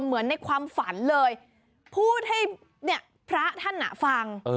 เหมือนในความฝันเลยพูดให้เนี่ยพระท่านฟัง